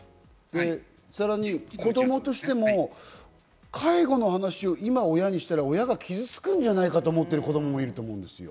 さらに子供としても介護の話を今、親にしたら親が傷つくんじゃないかと思っている子供もいると思うんです。